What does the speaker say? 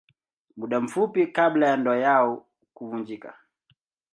Muda mfupi kabla ya ndoa yao kuvunjika.